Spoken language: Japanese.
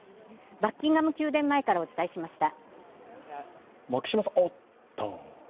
バッキンガム宮殿前からお伝えしました。